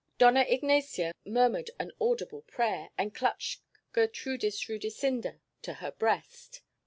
Dona Ignacia murmured an audible prayer, and clutched Gertrudis Rudisinda to her breast.